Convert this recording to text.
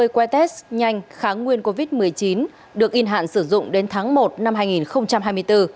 một chín trăm năm mươi que test nhanh kháng nguyên covid một mươi chín được in hạn sử dụng đến tháng một năm hai nghìn hai mươi bốn